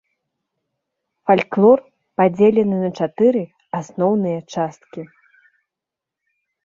Фальклор падзелены на чатыры асноўныя часткі.